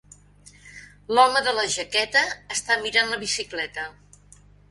L'home de la jaqueta està mirant la bicicleta.